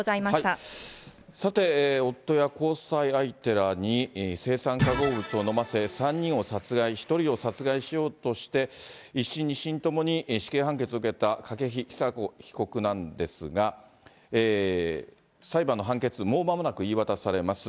さて、夫や交際相手らに青酸化合物を飲ませ、３人を殺害、１人を殺害しようとして１審、２審ともに死刑判決を受けた筧千佐子被告なんですが、裁判の判決、もうまもなく言い渡されます。